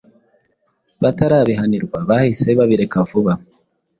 batarabihanirwa bahise babireka vuba